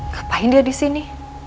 gapain dia disini